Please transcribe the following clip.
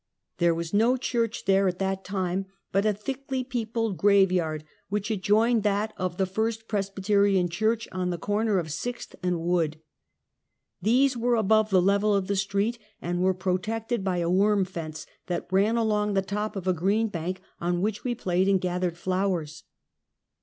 There was no church there at that time, but a thickly peopled graveyard, which ad joined that of the First Presbyterian Church, on the corner of Sixth and Wood. These were above the level of the street, and were protected by a worm fence that ran along the top of a green bank on which we played and gathered flowers.